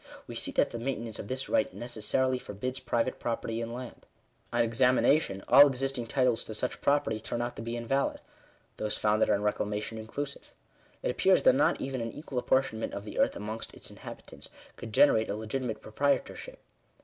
We see that the maintenance of this right necessarily forbids private property in land. On examination all existing titles to such property turn out to be invalid ; those founded on reclamation inclusive. It appears that not even an equal ap portionment of the earth amongst its inhabitants could generate a legitimate proprietorship.